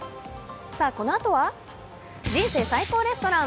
さあ、このあとは「人生最高レストラン」。